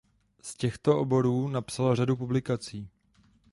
Z těchto oborů napsal řadu publikací.